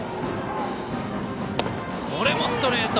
これもストレート！